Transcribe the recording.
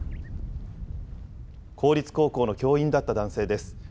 公立高校の教員だった男性です。